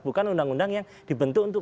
bukan undang undang yang dibentuk untuk